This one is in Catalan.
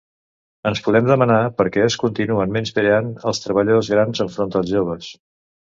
Ens podem demanar per què es continuen menyspreant els treballadors grans enfront dels joves.